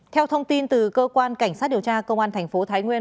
theo thông tin từ cơ quan cảnh sát điều tra công an thành phố thái nguyên